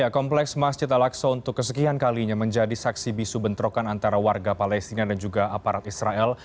kompleks masjid al aqsa untuk kesekian kalinya menjadi saksi bisu bentrokan antara warga palestina dan juga aparat israel